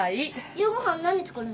夕ご飯何作るの？